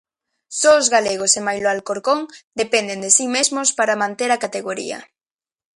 Só os galegos e mailo Alcorcón dependen de si mesmos para manter a categoría.